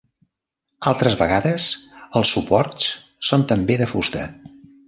Altres vegades els suports són també de fusta.